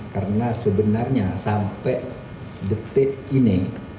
karena sebenarnya sampai detik ini